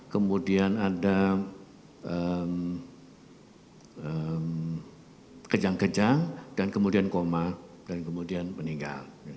kemudian ada kejang kejang dan kemudian koma dan kemudian meninggal